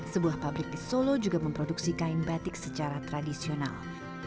sebuah pabrik di solo juga memproduksi kain batik secara tradisional